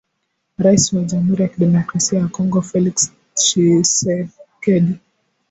Rais wa Jamhuri ya kidemokrasia ya Kongo, Felix Tshisekedi